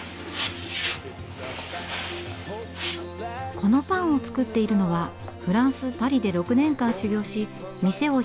このパンを作っているのはフランス・パリで６年間修業し店を開いた小林健二さん。